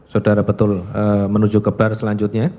saudara betul menuju ke bar selanjutnya